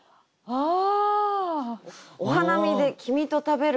ああ。